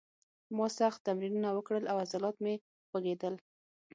ما سخت تمرینونه وکړل او عضلات مې خوږېدل